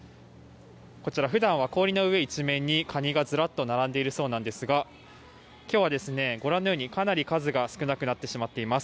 こちら、普段は氷の上一面にカニがずらっと並んでいるそうなんですが今日は、ご覧のようにかなり数が少なくなってしまっています。